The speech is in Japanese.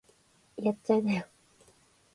やっちゃいなよ